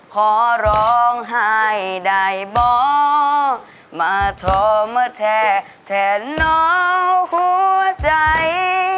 ขอร้องหายได้บ่มาทอมแท่แท่น้องหัวใจ